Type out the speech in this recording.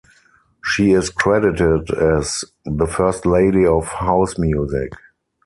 She is credited as "The First Lady of House Music".